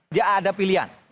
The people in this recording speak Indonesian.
dia ada pilihan